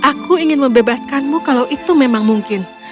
aku ingin membebaskanmu kalau itu memang mungkin